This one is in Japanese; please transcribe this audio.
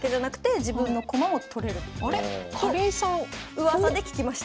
うわさで聞きました。